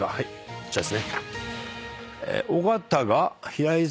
こちらですね。